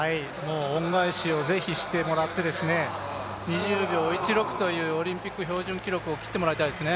恩返しをぜひしてもらって、２０秒１６というオリンピック標準記録を切ってもらいたいですね。